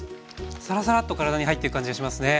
さらさらっと体に入っていく感じがしますね。